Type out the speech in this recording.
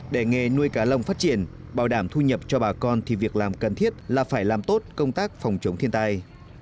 để nghề nuôi cá lồng phát triển bảo đảm thu nhập cho bà con thì việc làm cần thiết là phải làm tốt công tác phòng chống thiên tai